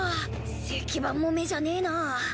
石板も目じゃねえなぁ。